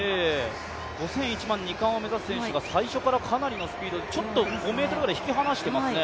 ５０００、１００００、２冠を目指す選手が最初からかなりのスピード５ｍぐらい引き離していますね。